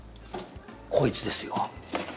こいつですよ。